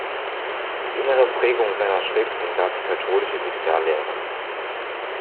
Die innere Prägung seiner Schriften gab die katholische Soziallehre.